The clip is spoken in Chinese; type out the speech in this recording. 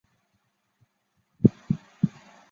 时人将其与东方朔等相提并比。